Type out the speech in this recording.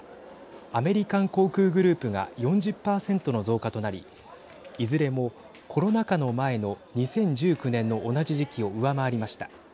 アメリカン航空グループが４０％の増加となりいずれもコロナ禍の前の２０１９年の同じ時期を上回りました。